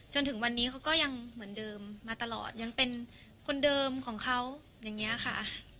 จนถึงวันนี้เขาก็ยังเหมือนเดิมมาตลอดยังเป็นคนเดิมของเขาอย่างนี้ค่ะ